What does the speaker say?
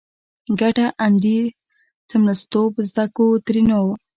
کټه اندي څملستوب زده کو؛ ترينو